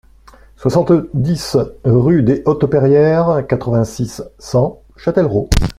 soixante-dix rue des Hautes Perrières, quatre-vingt-six, cent, Châtellerault